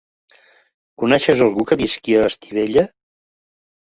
Coneixes algú que visqui a Estivella?